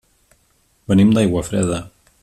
Venim d'Aiguafreda.